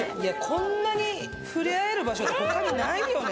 こんなに触れあえる場所って他にないよね。